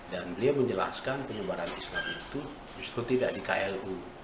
dan beliau menjelaskan penyebaran islam itu justru tidak di klu